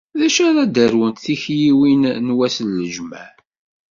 D acu ara d-arwent tikliwin n wass n lǧemεa?